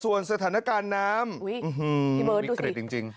ส่วนสถานการณ์น้ำอุ้ยอื้อฮือพี่เบิร์ดดูสิจริงจริง